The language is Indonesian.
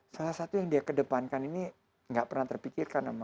salah satu yang dia kedepankan ini gak pernah terpikirkan